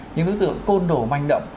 những đối tượng côn đổ manh động